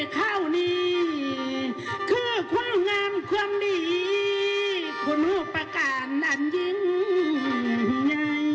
ข้าวนี้คือคุณงามความดีคุณผู้ประการนั้นยิ่งใหญ่